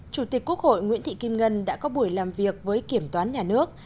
chủ tịch quốc hội nguyễn thị kim ngân đã có buổi làm việc với kiểm toán nhà nước